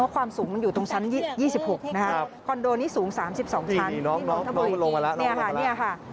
ความสูงอยู่ตรงชั้น๒๖นะครับคอนโดนี้สูง๓๒ชั้นนี่มองทะบุยนี่ค่ะนี่ค่ะดี